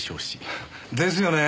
ですよね。